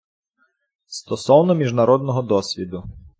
Стосовно міжнародного досвіду.